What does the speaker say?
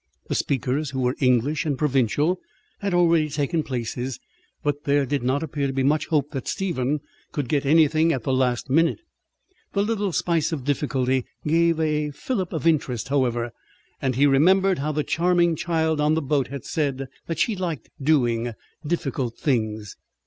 The speakers, who were English and provincial, had already taken places, but there did not appear to be much hope that Stephen could get anything at the last minute. The little spice of difficulty gave a fillip of interest, however; and he remembered how the charming child on the boat had said that she "liked doing difficult things."